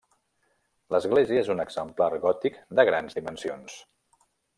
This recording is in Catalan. L'església és un exemplar gòtic de grans dimensions.